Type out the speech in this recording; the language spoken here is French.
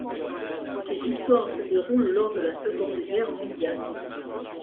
Ses histoires se déroulent lors de la Seconde Guerre mondiale.